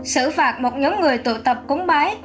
xử phạt một nhóm người tụ tập cung bái